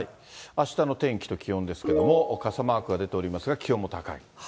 あしたの天気と気温ですけれども、傘マークが出ておりますが、気温も高いと。